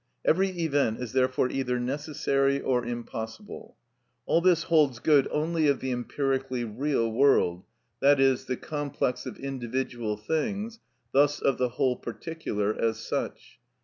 Every event is therefore either necessary or impossible. All this holds good only of the empirically real world, i.e., the complex of individual things, thus of the whole particular as such.